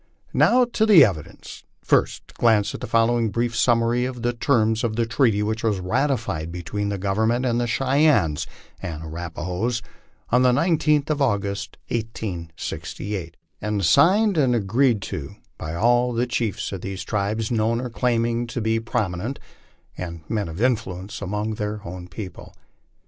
Now to the evidence. First glance at the following brief summary of the terms of the treaty which was ratified between the Government and the Cheyennes and Arapahoes on the 19th of August, 1868, and signed and agreed to by all the chiefs of these two tribes known or claiming to be prominent, and men of influence among their own people.